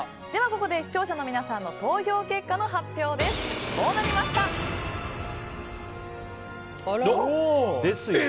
ここで視聴者の皆さんの投票結果の発表です。ですよね。